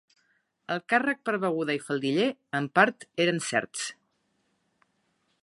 Els càrrec per beguda i faldiller, en part, eren certs.